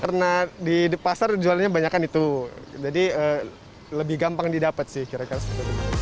karena di pasar jualannya banyak kan itu jadi lebih gampang didapat sih kira kira